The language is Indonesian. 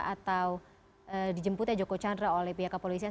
atau dijemputnya joko chandra oleh pihak kepolisian